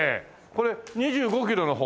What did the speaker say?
これ２５キロの方？